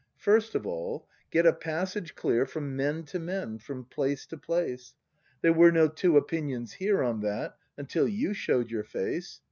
First of all, get a passage clear From men to men, from place to place. There were no two opinions here On that, until you show'd your face.